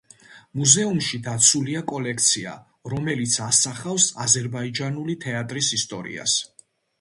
მუზეუმში დაცულია კოლექცია, რომელიც ასახავს აზერბაიჯანული თეატრის ისტორიას.